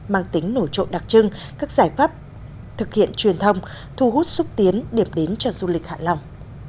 mang tính nổi trội đặc trưng các giải pháp thực hiện truyền thông thu hút xúc tiến điểm đến cho du lịch hạ long